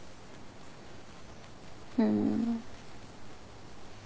うん。